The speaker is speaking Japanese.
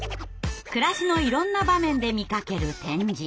暮らしのいろんな場面で見かける「点字」。